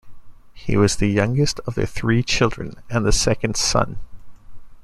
He was the youngest of their three children, and the second son.